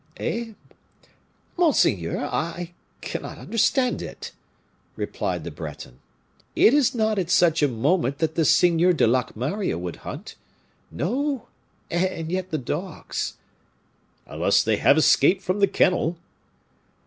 "Eh! monseigneur, I cannot understand it," replied the Breton. "It is not at such a moment that the Seigneur de Locmaria would hunt. No, and yet the dogs " "Unless they have escaped from the kennel."